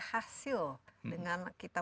hasil dengan kita